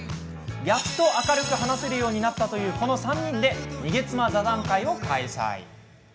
やっと明るく話せるようになったという、この３人で逃げ妻座談会を開催。